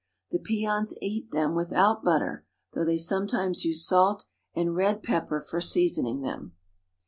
The peons eat them without butter, though they sometimes use salt and red pepper for seasoning them.